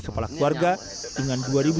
kepala keluarga dengan dua sembilan ratus